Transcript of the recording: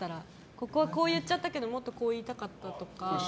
ここはこう言っちゃったけどもっとこう言いたかったとか。